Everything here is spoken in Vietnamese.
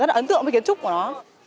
rất là ấn tượng với kiến trúc của nó